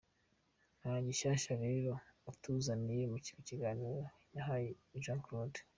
Nta gishyashya rero atuzaniye ku kiganiro yahaye J Claude.